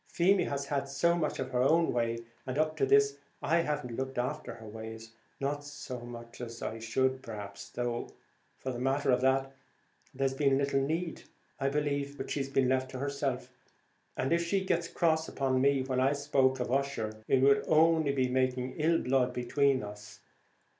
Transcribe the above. Feemy has had so much of her own way, and up to this I haven't looked after her ways, not so much as I should, perhaps; though, for the matter of that there's been little need, I believe; but she's been left to herself, and if she got cross upon me when I spoke of Ussher, it would only be making ill blood between us.